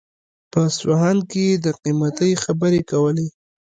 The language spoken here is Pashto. په اصفهان کې يې د قيمتۍ خبرې کولې.